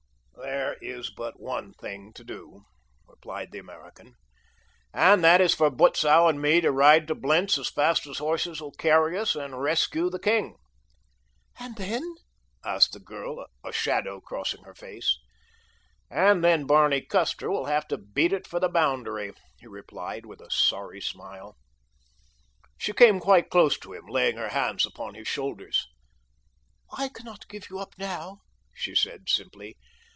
"There is but one thing to do," replied the American, "and that is for Butzow and me to ride to Blentz as fast as horses will carry us and rescue the king." "And then?" asked the girl, a shadow crossing her face. "And then Barney Custer will have to beat it for the boundary," he replied with a sorry smile. She came quite close to him, laying her hands upon his shoulders. "I cannot give you up now," she said simply.